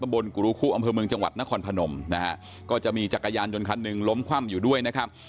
บนกุรุคุอำเภอเมืองจังหวัดนครพนมนะฮะก็จะมีจักรยานยนต์คันหนึ่งล้มคว่ำอยู่ด้วยนะครับ